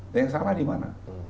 yang salah di mana